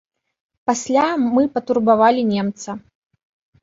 Пасля мы патурбавалі немца.